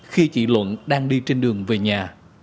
khi chị luận đang đi trên đường về nhà